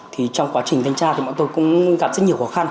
thì trong quá trình thanh tra thì bọn tôi cũng gặp rất nhiều khó khăn